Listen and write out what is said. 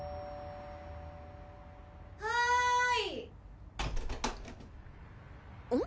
はい。